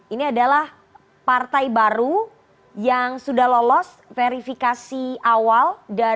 ini adalah partai baru yang sudah lolos verifikasi awal